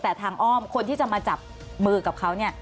แต่ทางอ้อมคนที่จะมาจับมือกับเขาเนี่ย